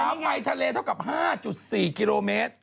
ทำไมทะเลเท่ากับ๕๔กิโลเมตร